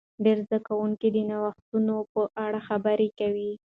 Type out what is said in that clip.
ډیر زده کوونکي د نوښتونو په اړه خبرې کوي.